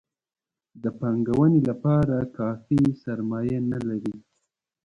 د پانګونې لپاره کافي سرمایه نه لري.